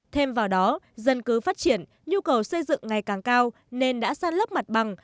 thêm vào đó dân cứ phát triển nhu cầu xây dựng ngày càng cao nên đã săn lấp mặt bằng